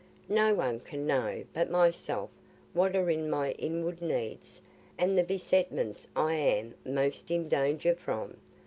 No one can know but myself what are my inward needs, and the besetments I am most in danger from.